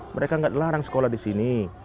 mereka nggak dilarang sekolah di sini